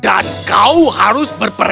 dan kau harus berperilaku